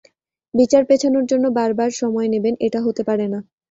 বিচার পেছানোর জন্য বার বার সময় নেবেন, এটা হতে পারে না।